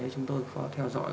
chúng tôi có theo dõi